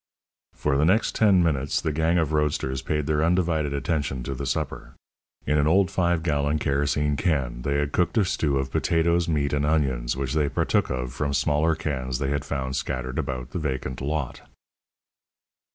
For the next ten minutes the gang of roadsters paid their undivided attention to the supper. In an old five gallon kerosene can they had cooked a stew of potatoes, meat, and onions, which they partook of from smaller cans they had found scattered about the vacant lot.